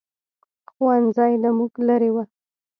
ښوؤنځی له موږ لرې ؤ